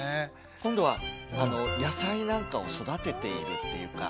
今度は野菜なんかを育てているっていうか。